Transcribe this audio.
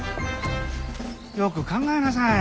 よく考えなさい。